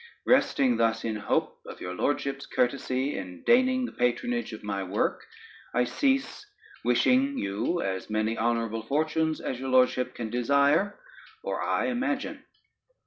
Resting thus in hope of your Lordship's courtesy in deigning the patronage of my work, I cease, wishing you as many honorable fortunes as your Lordship can desire or I imagine.